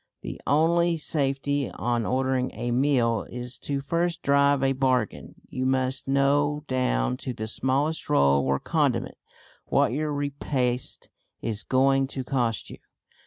The only safety on ordering a meal is to first drive a bargain. You must know down to the smallest roll or condiment what your repast is going to cost you.